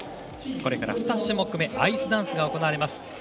これから２種目めアイスダンスが行われます。